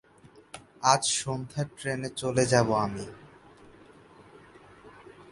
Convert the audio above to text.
আজ সন্ধ্যার ট্রেনে চলে যাব আমি।